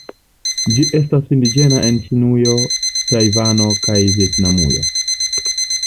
Ĝi estas indiĝena en Ĉinujo, Tajvano kaj Vjetnamujo.